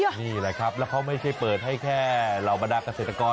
นี่แหละครับแล้วเขาไม่ใช่เปิดให้แค่เหล่าบรรดาเกษตรกร